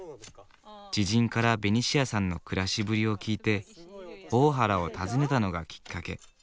知人からベニシアさんの暮らしぶりを聞いて大原を訪ねたのがきっかけ。